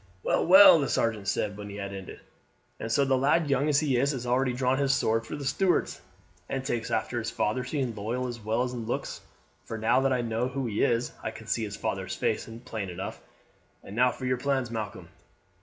"Well, well!" the sergeant said when he had ended; "and so the lad, young as he is, has already drawn his sword for the Stuarts, and takes after his father in loyalty as well as in looks, for now that I know who he is I can see his father's face in his plain enough; and now for your plans, Malcolm."